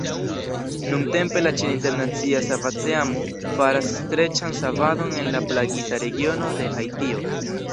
Nuntempe, la ĉina internacia savadteamo faras streĉan savadon en la plagita regiono de Haitio.